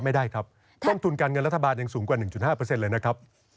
ไม่ได้ครับต้นทุนการเงินรัฐบาลยังสูงกว่า๑๕เลยนะครับ